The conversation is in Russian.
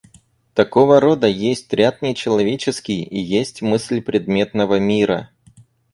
Такого рода есть ряд нечеловеческий и есть мысль предметного мира.